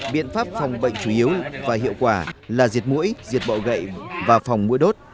biện pháp phòng bệnh chủ yếu và hiệu quả là diệt mũi diệt bọ gậy và phòng mũi đốt